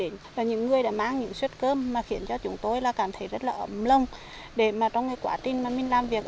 chúng tôi ăn cơm ở đây cũng cảm thấy rất là ấm áp rất là vui vẻ